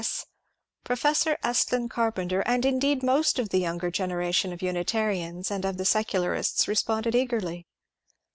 S., Professor Estlin Carpenter, and indeed most of the younger generation of Unitarians and of the Secularists responded eagerly.